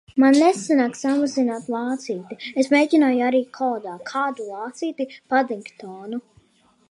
Man nesanāk samazināt lācīti. Es mēģināju arī kodā. Kādu lācīti? Padingtonu.